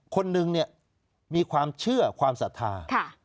คนนึงเนี่ยมีความเชื่อความศรัทธา